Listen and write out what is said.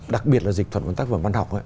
đặc biệt là dịch thuật của tác phẩm văn học